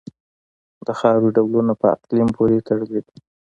د خاورې ډولونه په اقلیم پورې تړلي دي.